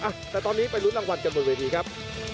อ่ะแต่ตอนนี้ไปลุ้นรางวัลกันบนเวทีครับ